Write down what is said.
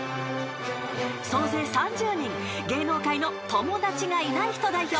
［総勢３０人芸能界の友達がいない人代表！